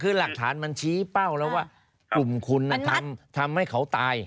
คือหลักฐานมันชี้เป้าแล้วว่ากลุ่มคุณทำให้เขาตาย